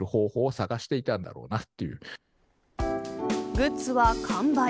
グッズは完売。